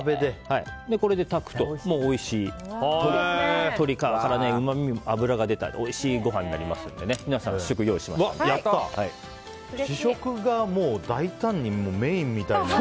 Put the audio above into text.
これで炊くと、おいしい鶏皮からうまみと脂の出たおいしいご飯になりますんで試食が大胆にメインみたいな。